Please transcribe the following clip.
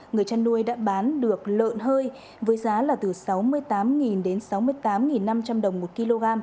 người chăn nuôi đã bán được lợn hơi với giá là từ sáu mươi tám đến sáu mươi tám năm trăm linh đồng một kg